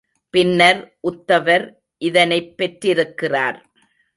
பின்னர் உத்தவர் இதனைப் பெற்றிருக்கிறார்.